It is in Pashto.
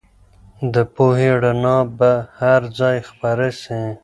د پوهې رڼا به هر ځای خپره سي.